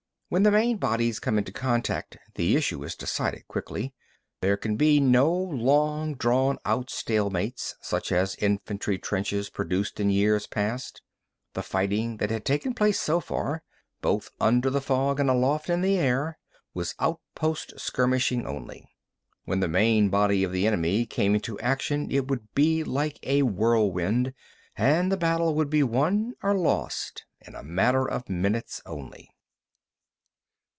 When the main bodies come into contact, the issue is decided quickly. There can be no long drawn out stalemates such as infantry trenches produced in years past. The fighting that had taken place so far, both under the fog and aloft in the air, was outpost skirmishing only. When the main body of the enemy came into action it would be like a whirlwind, and the battle would be won or lost in a matter of minutes only.